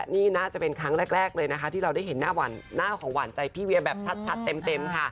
นี่น่าจะเป็นครั้งแรกที่ได้เห็นหน้าของหว่านใจพี่เวียแบบชัดเต็ม